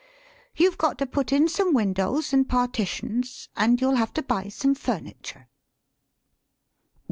You've got to put in some windows and partitions; an' you'll have to buy some furniture."